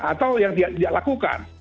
atau yang tidak lakukan